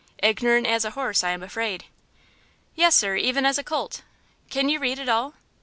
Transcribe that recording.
Ignorant as a horse, I am afraid." "Yes, sir; even as a colt." "Can you read at all?"